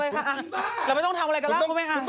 เราไม่ต้องทำอะไรกันละครูแม่อ่ะ